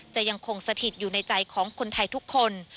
จะยังคงสถิตอยู่ในใจของคนไทยทุกคน